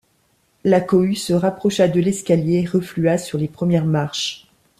La cohue se rapprocha de l’escalier et reflua sur les premières marches.